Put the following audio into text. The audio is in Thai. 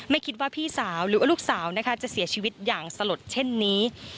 คิดว่าพี่สาวหรือว่าลูกสาวนะคะจะเสียชีวิตอย่างสลดเช่นนี้